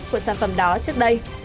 của sản phẩm đó trước đây